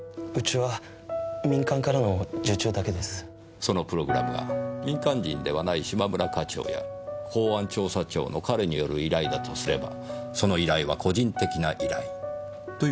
そのプログラムは民間人ではない嶋村課長や公安調査庁の彼による依頼だとすればその依頼は個人的な依頼という事になりませんか？